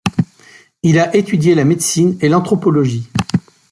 Il a étudié la médecine et l'anthropologie.